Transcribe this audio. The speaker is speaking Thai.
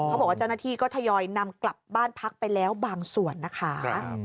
บอกว่าเจ้าหน้าที่ก็ทยอยนำกลับบ้านพักไปแล้วบางส่วนนะคะ